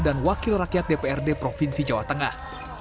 dan wakil rakyat dprd provinsi jawa tengah